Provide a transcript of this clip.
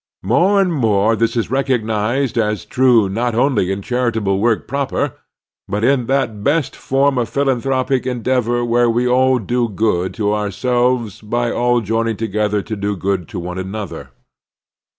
More and more this is recognized as true not only in charitable work proper, but in that best form of philanthropic endeavor where we all do good to ourselves by all joining together to do good to one another.